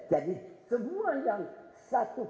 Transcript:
jadi semua yang satu